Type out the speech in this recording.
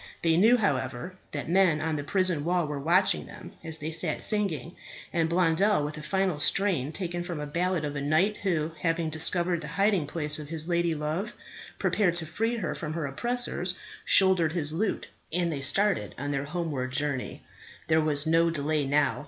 They knew, however, that men on the prison wall were watching them as they sat singing, and Blondel, with a final strain taken from a ballad of a knight who, having discovered the hiding place of his ladylove, prepared to free her from her oppressors, shouldered his lute, and they started on their homeward journey. There was no delay now.